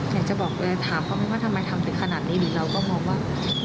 อยากจะบอกเลยถามเขาไหมว่าทำไมทำถึงขนาดนี้หรือเราก็มองว่า